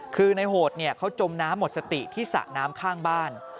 คือในโหดเขาจมน้ำหมดสติที่สระน้ำข้างบ้าน